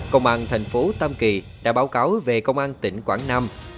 công an thành phố tam kỳ đã báo cáo về công an tỉnh quảng nam